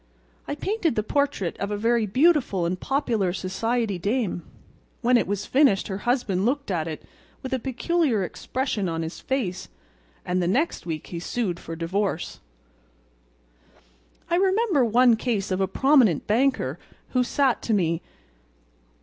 I painted the portrait of a very beautiful and popular society dame. When it was finished her husband looked at it with a peculiar expression on his face, and the next week he sued for divorce." "I remember one case of a prominent banker who sat to me.